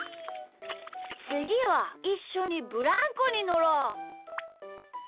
つぎはいっしょにブランコにのろう！